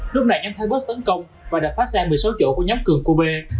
lúc này nhóm thái bớt tấn công và đập phát sang một mươi sáu chỗ của nhóm cường cô bê